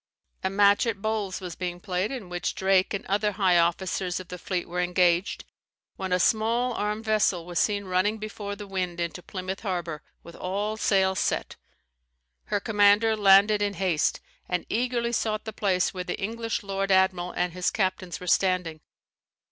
A match at bowls was being played, in which Drake and other high officers of the fleet were engaged, when a small armed vessel was seen running before the wind into Plymouth harbour, with all sails set. Her commander landed in haste, and eagerly sought the place where the English lord admiral and his captains were standing.